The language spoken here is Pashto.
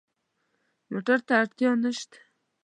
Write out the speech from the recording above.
موټر ته اړتیا نه شته.